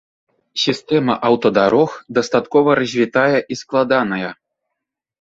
Сістэма аўтадарог дастаткова развітая і складаная.